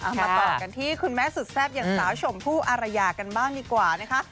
มาต่อกันที่คุณแม่สุดแซ่บอย่างสาวชมพู่อารยากันบ้างดีกว่านะคะ